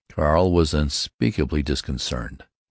Carl was unspeakably disconcerted.